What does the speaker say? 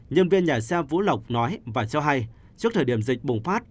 nhân viên nhà xe vũ lộc nói và cho hay trước thời điểm dịch bùng phát